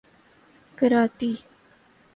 کراتی